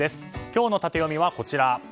今日のタテヨミはこちら。